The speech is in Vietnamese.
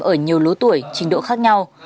ở nhiều lố tuổi trình độ khác nhau